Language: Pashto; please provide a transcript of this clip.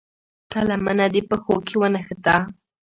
که لمنه دې پښو کې ونښته.